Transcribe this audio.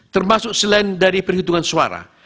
termasuk selain dari perhitungan suara